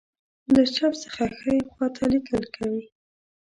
له چپ څخه ښی خواته لیکل کوي.